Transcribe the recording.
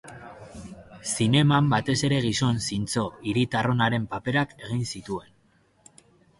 Zineman batez ere gizon zintzo, hiritar onaren paperak egin zituen.